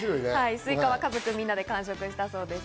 スイカは家族みんなで完食したそうです。